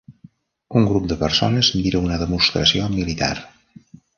Un grup de persones mira una demostració militar.